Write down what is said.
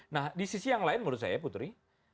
nah di sisi yang lain menurut saya putri